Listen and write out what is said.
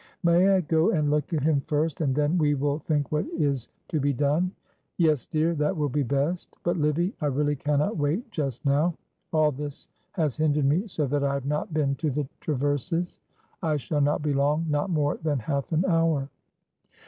"May I go and look at him first, and then we will think what is to be done." "Yes, dear, that will be best. But, Livy, I really cannot wait just now. All this has hindered me so that I have not been to the Traverses'. I shall not be long not more than half an hour."